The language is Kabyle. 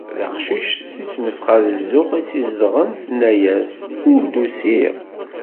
Taqcict si ttnefxa d zzux i tt-izedɣen tenna-as: « Ur d-usiɣ